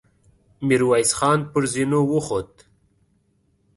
ميرويس خان پر زينو وخوت.